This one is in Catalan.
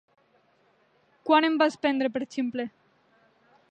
Quan em vas prendre per ximple?